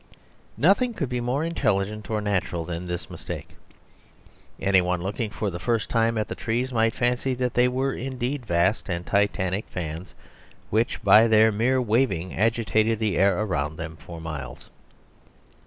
Nothing could be more intelligent or natural than this mistake. Any one looking for the first time at the trees might fancy that they were indeed vast and titanic fans, which by their mere waving agitated the air around them for miles.